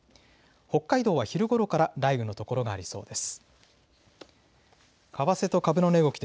北海道は昼ごろから雷雨の所がありそうです。